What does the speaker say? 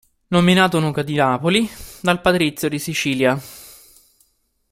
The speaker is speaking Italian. Nominato duca di Napoli dal patrizio di Sicilia.